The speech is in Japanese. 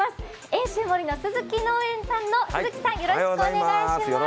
遠州森鈴木農園さんの鈴木さん、よろしくお願いします。